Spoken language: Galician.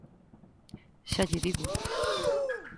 _Xa lle digo.